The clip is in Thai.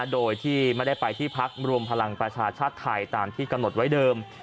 โดยที่ไม่ได้ไปที่พักรวมพลังประชาชาติไทยตามที่กำหนดไว้เดิม